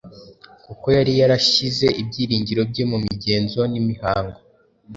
kuko yari yarashyize ibyiringiro bye mu migenzo n’imihango.